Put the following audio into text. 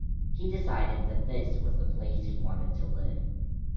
He decided that this was the place he wanted to live.